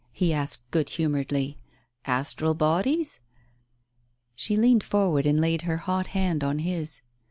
he asked good humouredly ." Astral bodies ?" She leaned forward and laid her hot hand on his.